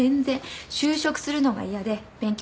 就職するのが嫌で勉強しただけ。